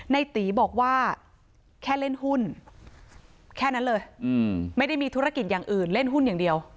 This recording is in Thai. ในตีบอกว่าแค่เล่นหุ้นแค่นั้นเลยไม่ได้มีธุรกิจอย่างอื่นเล่นหุ้นอย่างเดียว